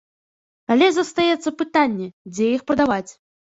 Але застаецца пытанне, дзе іх прадаваць.